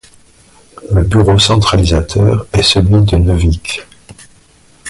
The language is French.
Le bureau centralisateur est celui de Neuvic.